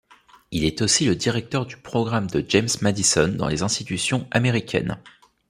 Il est aussi le directeur du Programme de James Madison dans les institutions américaines.